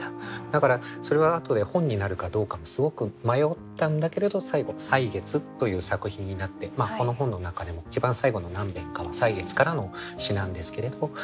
だからそれは後で本になるかどうかもすごく迷ったんだけれど最後「歳月」という作品になってこの本の中でも一番最後の何べんかは「歳月」からの詩なんですけれど。